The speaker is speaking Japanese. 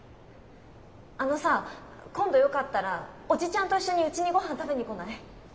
あのさ今度よかったらおじちゃんと一緒にうちにごはん食べに来ない？